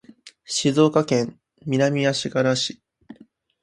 静岡県南足柄市